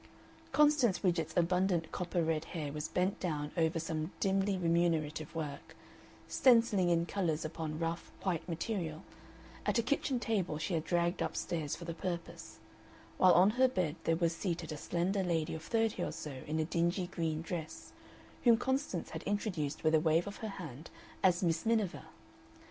Constance Widgett's abundant copper red hair was bent down over some dimly remunerative work stencilling in colors upon rough, white material at a kitchen table she had dragged up stairs for the purpose, while on her bed there was seated a slender lady of thirty or so in a dingy green dress, whom Constance had introduced with a wave of her hand as Miss Miniver.